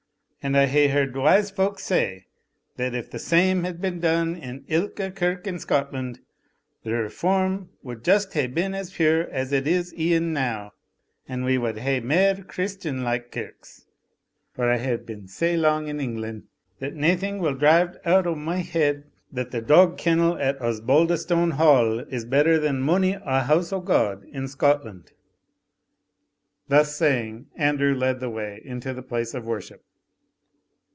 And I hae heard wise folk say, that if the same had been done in ilka kirk in Scotland, the Reform wad just hae been as pure as it is e'en now, and we wad hae mair Christian like kirks; for I hae been sae lang in England, that naething will drived out o' my head, that the dog kennel at Osbaldistone Hall is better than mony a house o' God in Scotland." Thus saying, Andrew led the way into the place of worship.